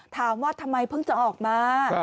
ถามว่าทำไมเพิ่งจะออกมา